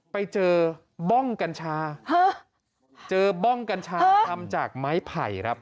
ไปเจอบ้องกัญชาเจอบ้องกัญชาทำจากไม้ไผ่ครับ